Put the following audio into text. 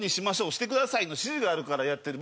「してください」の指示があるからやってる。